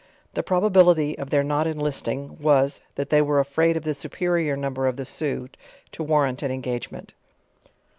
The probability of their not enlisting, was, that they were afraid of the su perior number of the Sioux to warrant an engagement.